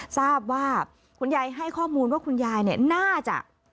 ทราบว่าคุณยายให้ข้อมูลว่าคุณยายเนี่ยน่าจะ